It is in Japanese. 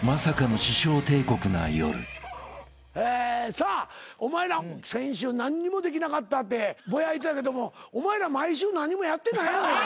さあお前ら先週何にもできなかったってボヤいてたけどもお前ら毎週何もやってないやないか。